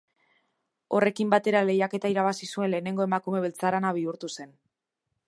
Horrekin batera, lehiaketa irabazi zuen lehenengo emakume beltzarana bihurtu zen.